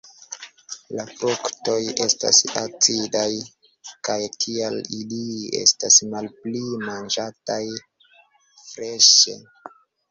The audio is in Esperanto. La fruktoj estas acidaj kaj tial ili estas malpli manĝataj freŝe.